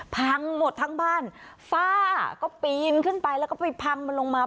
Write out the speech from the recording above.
พังหมดทั้งบ้านฝ้าก็ปีนขึ้นไปแล้วก็ไปพังมันลงมา